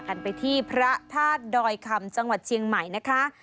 กันไปที่พระธาตุดอยคำจังหวัดเชียงใหม่นะคะ